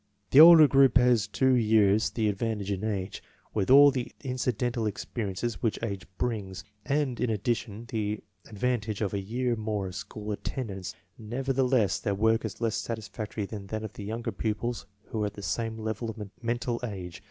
The older group has two years the advantage in age, with all the inciden tal experience which age brings, and in addition the advantage of a year more of school attendance; nev ertheless their work is less satisfactory than that of the younger pupils who are at the same level of men tal age.